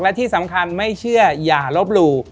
และที่สำคัญไม่เชื่ออย่าลบหลู่